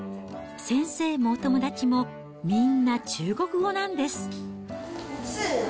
先生もお友達もみんな中国語なんです。